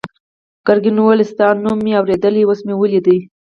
ګرګین وویل ستا نوم مې اورېدلی اوس مې ولیدې.